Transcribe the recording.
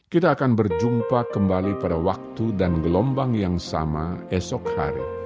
kita akan berjumpa kembali pada waktu dan gelombang yang sama esok hari